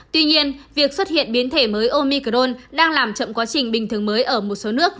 tuy nhiên việc xuất hiện biến thể mới omicrone đang làm chậm quá trình bình thường mới ở một số nước